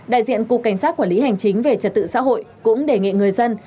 đại diện cục cảnh sát quản lý hành chính về trật tự xã hội cũng đề nghị người dân